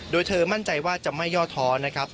โดยเธอมั่นใจว่าจะไม่ย่อท้อนะครับ